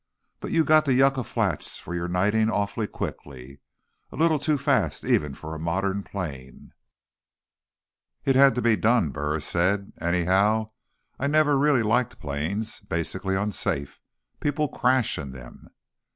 "But you got to Yucca Flats for your knighting awfully quickly, a little too fast even for a modern plane." "It had to be done," Burris said. "Anyhow, I've never really liked planes. Basically unsafe. People crash in them."